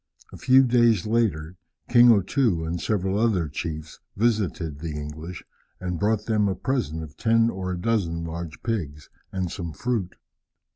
A few days later, King O Too and several other chiefs visited the English, and brought them a present of ten or a dozen large pigs and some fruit.